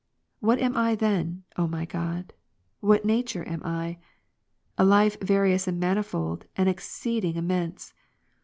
Whatam I then, O my God? What nature am I ? A life various and manifold, and exceed ing immense.